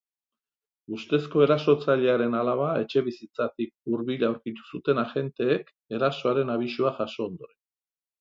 Ustezko erasotzailearen alaba etxebizitzatik hurbil aurkitu zuten agenteek, erasoaren abisua jaso ondoren.